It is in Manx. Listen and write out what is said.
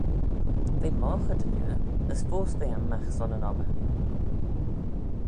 V'eh moghey dy liooar as foast v'eh anmagh son yn obbyr.